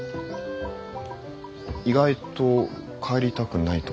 意外と帰りたくないとか？